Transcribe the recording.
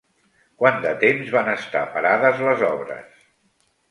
Quant de temps van estar parades les obres?